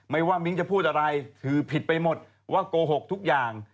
ไม่ว่ามิ้งจะพูดอะไรถือผิดไปหมดว่าโกหกทุกอย่าง